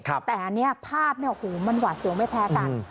แต่อันนี้ภาพมันหว่าเสียงไม่แพ้กัน